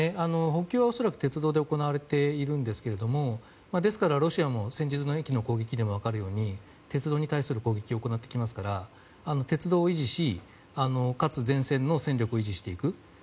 補給は鉄道で行われているんですがですから、ロシアも先日の駅の攻撃でも分かるように鉄道に対する攻撃を行ってきますから鉄道を維持して、かつ前線の戦力を維持していく。